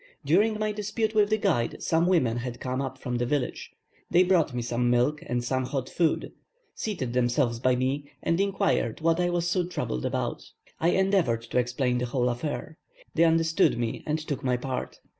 During my dispute with the guide, some women had come up from the village. They brought me some milk and some hot food, seated themselves by me, and inquired what I was so troubled about. I endeavoured to explain the whole affair. They understood me and took my part.